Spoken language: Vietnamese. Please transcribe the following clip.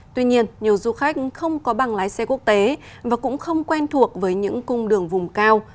tuy nhiên nhiều du khách không có bằng lái xe quốc tế và cũng không quen thuộc với những cung đường vùng cao